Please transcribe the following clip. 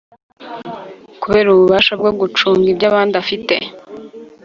Kubera ububasha bwo gucunga iby abandi afite